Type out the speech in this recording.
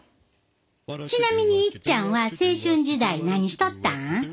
ちなみにいっちゃんは青春時代何しとったん？